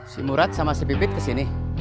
si murad sama si bibit kesini